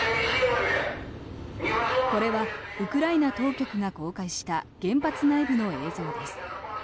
これはウクライナ当局が公開した原発内部の映像です。